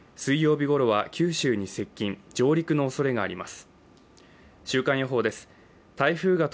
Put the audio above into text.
日ごろは九州に接近上陸のおそれがあります。